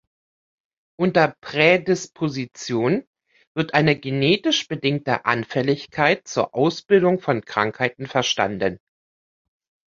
Unter Prädisposition wird eine genetisch bedingte Anfälligkeit zur Ausbildung von Krankheiten verstanden.